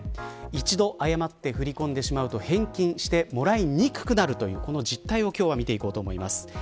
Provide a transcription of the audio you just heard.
一度誤って振り込んでしまうと返金してもらいにくくなるという実態を今日は見ていこうと思います。